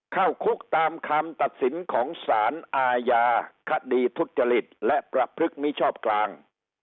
เข้าคุกตามคำตัดสินของสารอาญาคดีทุจริตและประพฤติมิชอบกลาง